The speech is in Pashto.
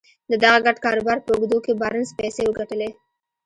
د دغه ګډ کاروبار په اوږدو کې بارنس پيسې وګټلې.